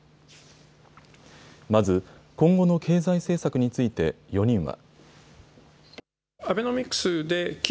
まず今後の経済政策について、４人は。